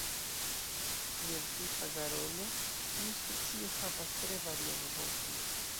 Kiel tipa garolo, tiu specio havas tre varian voĉon.